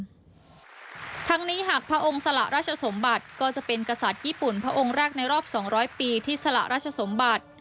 ทั้งนี้หากพระองค์สละราชสมบัติก็จะเป็นกษัตริย์ญี่ปุ่นพระองค์แรกในรอบ๒๐๐ปีที่สละราชสมบัติ